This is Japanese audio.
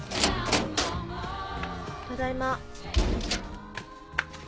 ただいま。